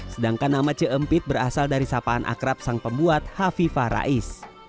sedangkan nama ce empit berasal dari sapaan akrab sang pembuat hafifah rais